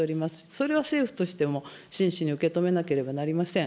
それは政府としても真摯に受け止めなければなりません。